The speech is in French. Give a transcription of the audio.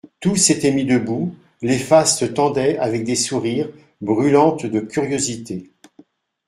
Tous s'étaient mis debout, les faces se tendaient avec des sourires, brûlantes de curiosité.